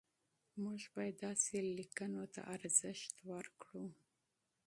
موږ باید داسې لیکنو ته ارزښت ورکړو.